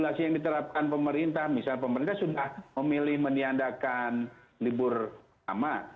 nah ini yang diterapkan pemerintah misalnya pemerintah sudah memilih meniandakan libur sama